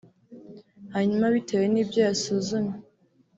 hanyuma bitewe n’ibyo yasuzumye